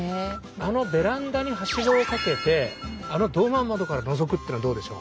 あのベランダにはしごをかけてあのドーマー窓からのぞくっていうのはどうでしょう？